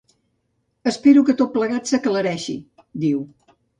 Espero que tot plegat s’aclareixi, diu.